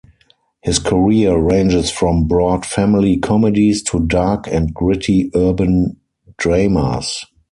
His career ranges from broad family comedies to dark and gritty urban dramas.